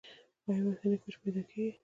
آیا وطني کوچ پیدا کیږي؟